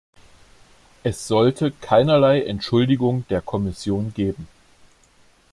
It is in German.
Es sollte keinerlei Entschuldigung der Kommission geben.